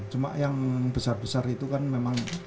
cuma yang besar besar itu kan memang